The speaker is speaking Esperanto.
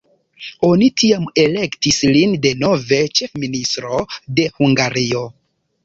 Oni tiam elektis lin denove ĉefministro de Hungario.